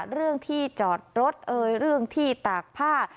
เรื่องที่จอดรถเรื่องที่ตากผ้า